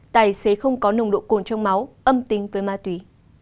tài xế không có nồng độ cồn trong máu âm tính với ma túy